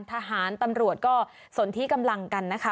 ทหารตำรวจก็สนที่กำลังกันนะคะ